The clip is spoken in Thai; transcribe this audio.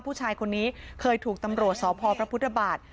ผู้ชายคนนี้เคยถูกตำรวจสพพระพุทธบาท